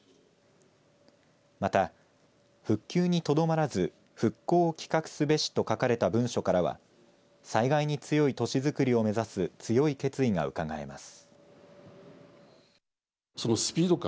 また、復旧にとどまらず復興を企画すべしと書かれた文書からは災害に強い都市づくりを目指す強い決意がうかがえます。